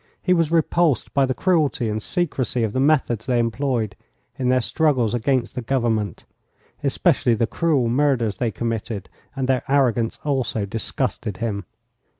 He was repulsed by the cruelty and secrecy of the methods they employed in their struggles against the government, especially the cruel murders they committed, and their arrogance also disgusted him.